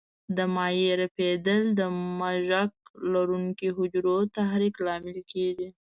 د مایع رپېدل د مژک لرونکو حجرو تحریک لامل کېږي.